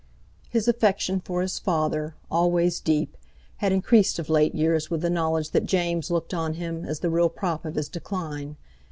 His affection for his father, always deep, had increased of late years with the knowledge that James looked on him as the real prop of his decline.